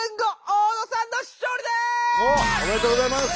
おめでとうございます！